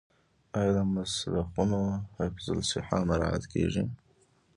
آیا د مسلخونو حفظ الصحه مراعات کیږي؟